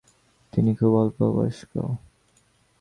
তিনি খুব অল্প বয়স্ক।